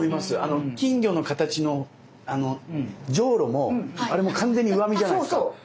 金魚の形のじょうろもあれも完全に上見じゃないですか。